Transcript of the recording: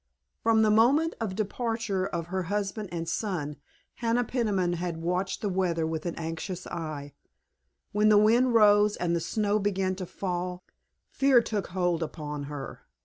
From the moment of the departure of her husband and son Hannah Peniman had watched the weather with an anxious eye. When the wind rose and the snow began to fall fear took hold upon her.